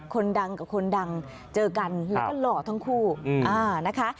คนดังกับคนดังเจอกันแล้วก็หล่อทั้งคู่นะคะ